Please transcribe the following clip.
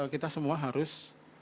kita semua harus